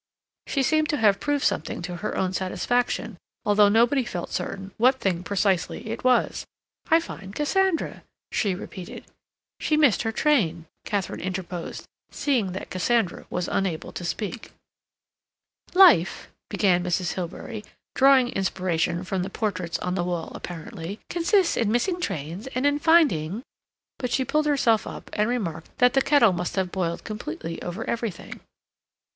She seemed to have proved something to her own satisfaction, although nobody felt certain what thing precisely it was. "I find Cassandra," she repeated. "She missed her train," Katharine interposed, seeing that Cassandra was unable to speak. "Life," began Mrs. Hilbery, drawing inspiration from the portraits on the wall apparently, "consists in missing trains and in finding—" But she pulled herself up and remarked that the kettle must have boiled completely over everything.